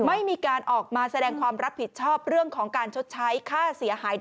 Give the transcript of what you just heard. ไม่มีการออกมาแสดงความรับผิดชอบเรื่องของการชดใช้ค่าเสียหาย